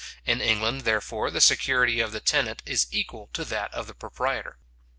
In England, therefore the security of the tenant is equal to that of the proprietor.